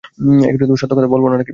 সত্য কথা বলব না?